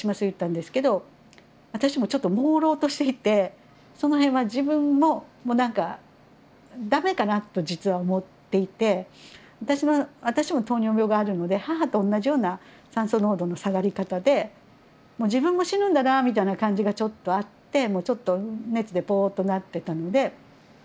言ったんですけど私もちょっともうろうとしていてそのへんは自分ももう何か駄目かなと実は思っていて私も糖尿病があるので母と同じような酸素濃度の下がり方でもう自分も死ぬんだなみたいな感じがちょっとあってちょっと熱でぽっとなってたので。